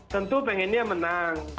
tentu pengennya menang